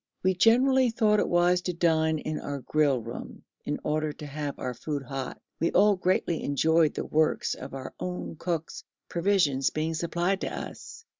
We generally thought it wise to dine in our grill room, in order to have our food hot. We all greatly enjoyed the works of our own cooks, provisions being supplied to us.